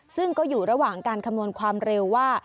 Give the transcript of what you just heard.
ซึ่งก็อยู่ระหว่างการคำนวณความเร็วว่า